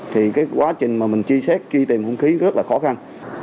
thì cái quá trình mà mình truy sát truy tìm hung khí rất là khó khăn